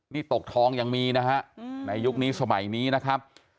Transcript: นี่ตกทองยังมีนะฮะในยุคนี้สมัยนี้นะครับ